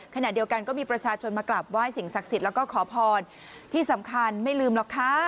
ขณะเดียวกันก็มีประชาชนมากราบไหว้สิ่งศักดิ์สิทธิ์แล้วก็ขอพรที่สำคัญไม่ลืมหรอกค่ะ